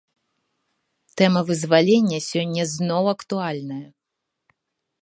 Тэма вызвалення сёння зноў актуальная.